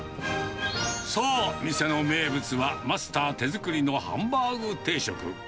そう、店の名物はマスター手作りのハンバーグ定食。